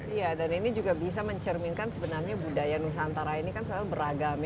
iya dan ini juga bisa mencerminkan sebenarnya budaya nusantara ini kan selalu beragam ya